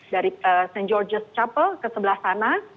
dari st george's chapel ke sebelah sana